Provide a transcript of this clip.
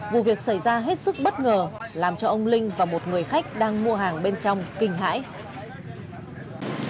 vụ việc xảy ra hết sức bất ngờ làm cho ông linh và một người khách đang mua hàng bên trong kinh hãi